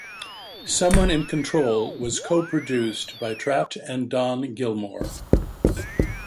"Someone in Control" was co-produced by Trapt and Don Gilmore.